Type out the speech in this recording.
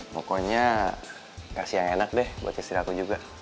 pokoknya kasih yang enak deh buat istri aku juga